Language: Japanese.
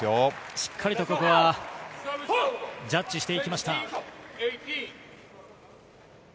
しっかりとここはジャッジしてきました。